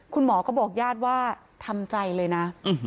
คุณหมอก็บอกญาติว่าทำใจเลยนะ